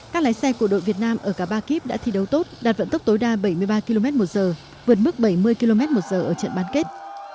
các lái xe của đội việt nam ở cả ba kíp đã thi đấu tốt đạt vận tốc tối đa bảy mươi ba km một giờ vượt mức bảy mươi km một giờ ở trận bán kết